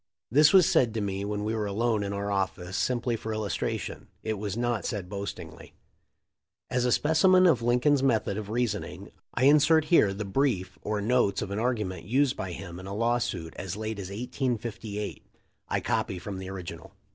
This was said to me when we were alone in our office simply for illustration. It was not said boastingly. As a specimen of Lincoln's method of reasoning I insert here the brief or notes of an argument used by him in a lawsuit as late as 1858. I copy from the original.